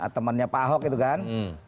temannya pak ahok itu kan